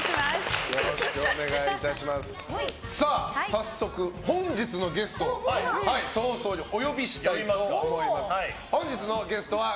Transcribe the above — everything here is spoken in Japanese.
早速、本日のゲストを早々にお呼びしたいと思います。